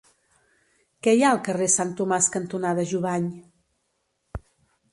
Què hi ha al carrer Sant Tomàs cantonada Jubany?